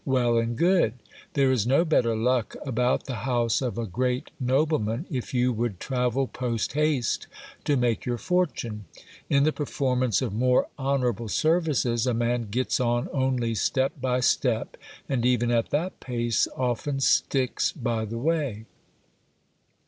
Well and good ! There is no better luck about the house of a great nobleman, if you would travel post haste to make your fortune. In the performance of more honour able services, a man gets on only step by step, and even at that pace often sticks by the way.